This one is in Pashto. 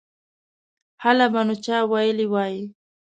هله به نو چا ویلي وای.